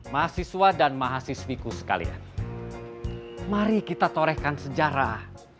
mahasiswa dan mahasiswiku sekalian mari kita torehkan sejarah